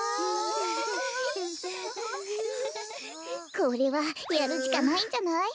これはやるしかないんじゃない？